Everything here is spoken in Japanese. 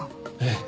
ええ。